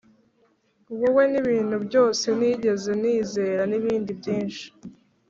wowe nibintu byose nigeze nizera nibindi byinshi.